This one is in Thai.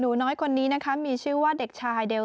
หนูน้อยคนนี้นะคะมีชื่อว่าเด็กชายเดล